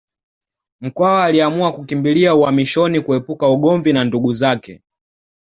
Mkwawa aliamua kukimbilia uhamishoni kuepuka ugomvi na ndugu zake